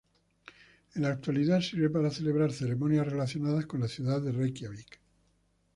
En la actualidad sirve para celebrar ceremonias relacionadas con la ciudad de Reikiavik.